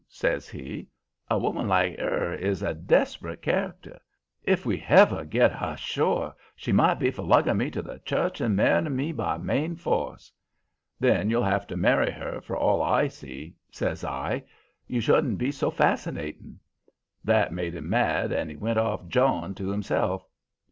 says he. 'A woman like 'er is a desp'rate character. If we hever git hashore she might be for lugging me to the church and marrying me by main force.' "'Then you'll have to marry her, for all I see,' says I. 'You shouldn't be so fascinating.' "That made him mad and he went off jawing to himself.